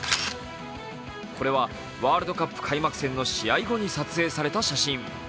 これはワールドカップ開幕戦の試合後に撮影された写真。